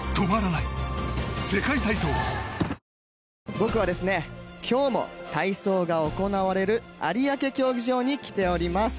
僕は今日も体操が行われる有明競技場に来ております。